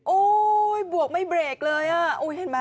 โอ้ยบวกไม่เบรกเลยเห็นไหม